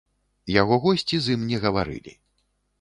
Яго госці з ім не гаварылі.